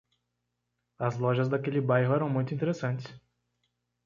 As lojas daquele bairro eram muito interessantes.